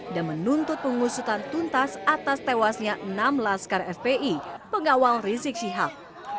dan menuntut pengusutan tuntas atas tewasnya enam belas kar fpi pengawal rizik syihab